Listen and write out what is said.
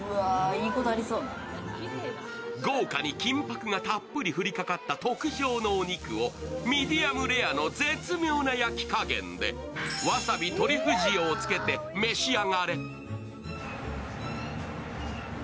豪華に金箔がたっぷり降りかかった特上のお肉をミディアムレアの絶妙な焼き加減で、わさび・トリュフ塩をつけて召し上がれ。